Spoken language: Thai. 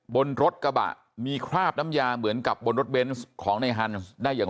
บนรถกระบะมีคราบน้ำยาเหมือนกับบนรถเบนส์ของในฮันส์ได้อย่างไร